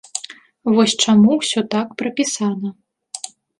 Вось чаму ўсё так прапісана.